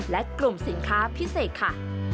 และกลุ่มสินค้าพิเศษค่ะ